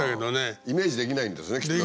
イメージできないんですねきっとね。